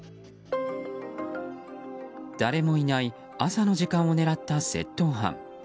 誰もいない朝の時間を狙った窃盗犯。